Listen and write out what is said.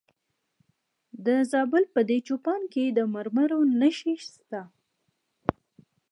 د زابل په دایچوپان کې د مرمرو نښې شته.